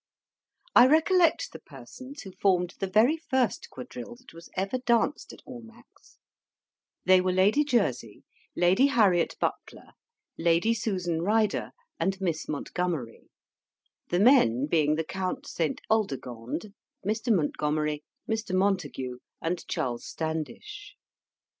I recollect the persons who formed the very first quadrille that was ever danced at Almack's: they were Lady Jersey, Lady Harriet Butler, Lady Susan Ryder, and Miss Montgomery; the men being the Count St. Aldegonde, Mr. Montgomery, Mr. Montague, and Charles Standish.